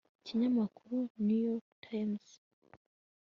ikinyamakuru new york times